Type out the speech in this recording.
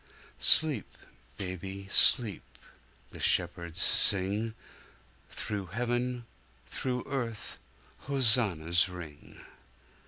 Sleep, baby, sleep! The shepherds sing:Through heaven, through earth, hosannas ring.